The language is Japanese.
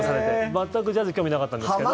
全くジャズ興味なかったんですけど。